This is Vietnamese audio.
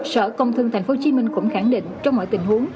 sở công thương thành phố hồ chí minh cũng khẳng định trong mọi tình huống